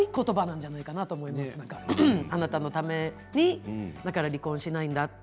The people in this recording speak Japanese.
あなたのために離婚しないんだって